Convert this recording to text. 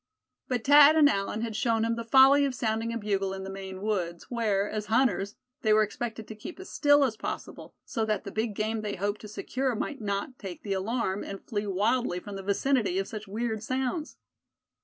But Thad and Allan had shown him the folly of sounding a bugle in the Maine woods, where, as hunters, they were expected to keep as still as possible, so that the big game they hoped to secure might not take the alarm, and flee wildly from the vicinity of such weird sounds.